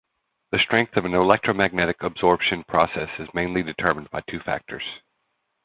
The strength of an electromagnetic absorption process is mainly determined by two factors.